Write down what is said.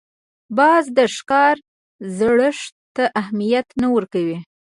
باز د ښکار زړښت ته اهمیت نه ورکوي